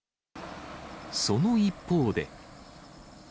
その一方で。